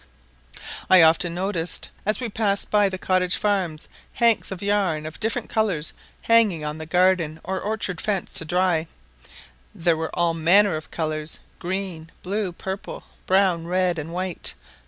I often noticed, as we passed by the cottage farms, hanks of yarn of different colours hanging on the garden or orchard fence to dry; there were all manner of colours, green, blue, purple, brown, red, and white.